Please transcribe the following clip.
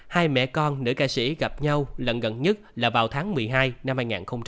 hai mẹ con nữ ca sĩ gặp nhau lần gần nhất là vào tháng một mươi hai năm hai nghìn hai mươi ba